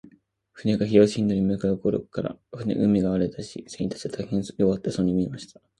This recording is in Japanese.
船が東インドに向う頃から、海が荒れだし、船員たちは大そう弱っていました。